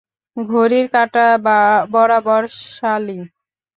ঘড়ির কাটা বরাবর, সালি?